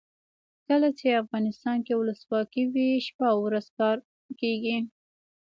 کله چې افغانستان کې ولسواکي وي شپه او ورځ کار کیږي.